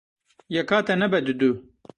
Yeka te nebe didu.